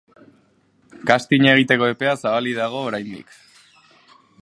Castinga egiteko epea zabalik dago oraindik.